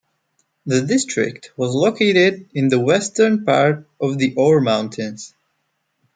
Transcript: The district was located in the western part of the Ore Mountains.